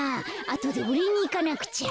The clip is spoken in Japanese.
あとでおれいにいかなくちゃ。